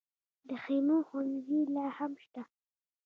د خیمو ښوونځي لا هم شته؟